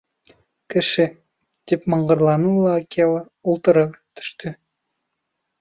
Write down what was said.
— Кеше, — тип мыңғырланы ла Акела ултыра төштө.